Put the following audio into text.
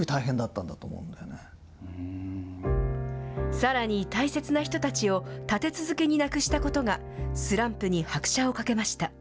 さらに大切な人たちを立て続けに亡くしたことが、スランプに拍車をかけました。